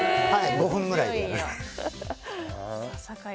５分ぐらいで。